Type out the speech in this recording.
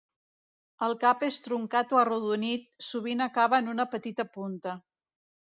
El cap és truncat o arrodonit, sovint acaba en una petita punta.